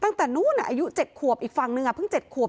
ตั้งแต่นู้นอ่ะอายุเจ็ดขวบอีกฝั่งหนึ่งอ่ะเพิ่งเจ็ดขวบ